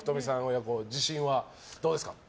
親子自信はどうですか？